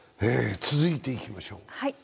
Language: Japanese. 続いていきましょう。